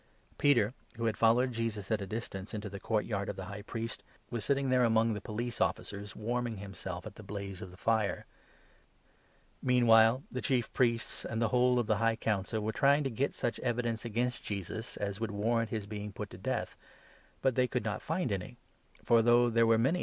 Peter, who had 54 followed Jesus at a distance into the court yard of the High Priest, was sitting there among the police officers, warming himself at the blaze of the fire. Meanwhile the Chief Priests 55 and the whole of the High Council were trying to get such evidence against Jesus as would warrant his being put to death, but they could not find any ; for, though there were many who 56 gave false evidence against him, yet their evidence did not 36 MARK, 14 15.